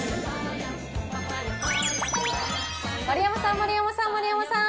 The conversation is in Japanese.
丸山さん、丸山さん、丸山さん。